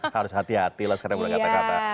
harus hati hati lah sekarang boleh kata kata